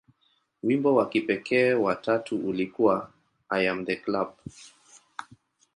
Wimbo wa kipekee wa tatu ulikuwa "I Am The Club".